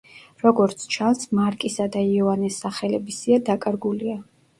როგორც ჩანს, მარკისა და იოანეს სახელების სია დაკარგულია.